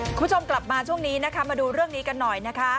คุณผู้ชมกลับมาช่วงนี้นะคะมาดูเรื่องนี้กันหน่อยนะคะ